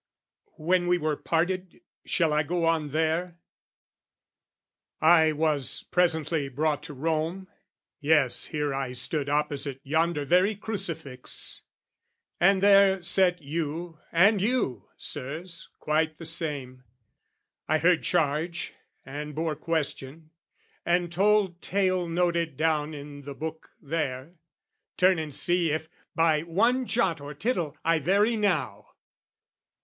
When we were parted, shall I go on there? I was presently brought to Rome yes, here I stood Opposite yonder very crucifix And there sat you and you, Sirs, quite the same, I heard charge, and bore question, and told tale Noted down in the book there, turn and see If, by one jot or tittle, I vary now!